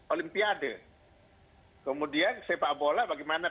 olimpiade kemudian sepak bola bagaimana